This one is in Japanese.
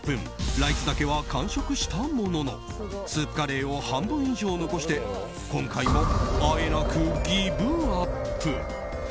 ライスだけは完食したもののスープカレーを半分以上残して今回もあえなくギブアップ。